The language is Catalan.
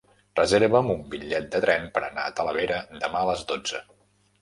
Reserva'm un bitllet de tren per anar a Talavera demà a les dotze.